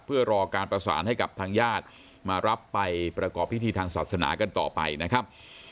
เพื่อรอการประสานให้กับทางญาติมารับไปประกอบพิธีทางศาสนากันต่อไปนะครับ